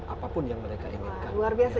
apapun yang mereka inginkan luar biasa